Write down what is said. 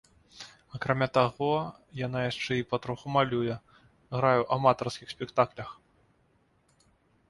Акрамя таго, яна яшчэ і патроху малюе, грае ў аматарскіх спектаклях.